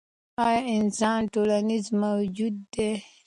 ایا انسان ټولنیز موجود دی؟